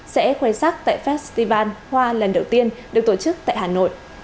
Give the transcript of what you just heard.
sẽ khoe sắc tại festival hoa lần đầu tiên được tổ chức tại hà nội